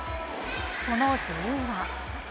その理由は。